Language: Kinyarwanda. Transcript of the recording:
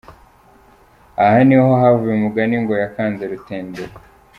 Aha niho havuye umugani ngo “yakanze Rutenderi”.